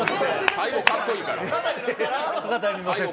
最後かっこいいから。